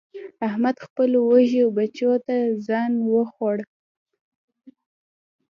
احمد خپلو وږو بچو ته ځان وخوړ.